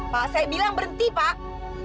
pak saya bilang berhenti pak